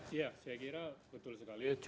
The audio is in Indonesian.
iya saya kira betul sekali